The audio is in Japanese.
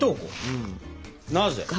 なぜ？